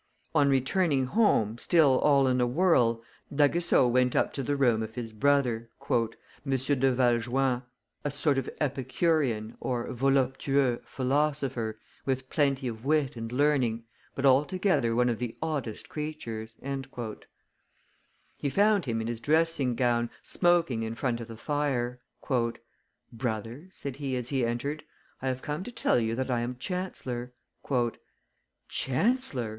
On returning home, still all in a whirl, D'Aguesseau went up to the room of his brother, "M. de Valjouan, a sort of Epicurean (voluptueux) philosopher, with plenty of wit and learning, but altogether one of the oddest creatures." He found him in his dressing gown, smoking in front of the fire. "Brother," said he, as he entered, "I have come to tell you that I am chancellor." "Chancellor!"